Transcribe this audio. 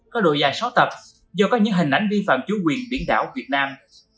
có độ dài sáu tập do có những hình ảnh vi phạm chủ quyền biển đảo việt nam